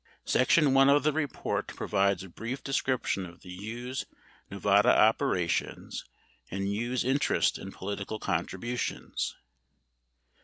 Section I of the report provides a brief description of the Hughes Nevada operations and Hughes' interest in political contributions.